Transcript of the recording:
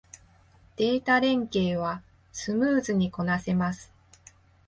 データ連携はスムーズにこなせます